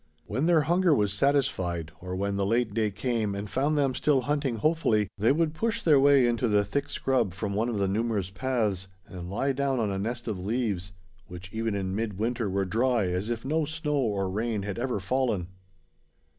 When their hunger was satisfied, or when the late day came and found them still hunting hopefully, they would push their way into the thick scrub from one of the numerous paths and lie down on a nest of leaves, which even in midwinter were dry as if no snow or rain had ever fallen.